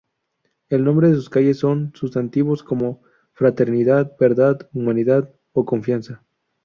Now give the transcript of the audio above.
El nombre de sus calles son sustantivos como Fraternidad, Verdad, Humildad o Confianza.